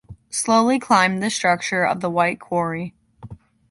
Slowly climbed the structure of the white quarry.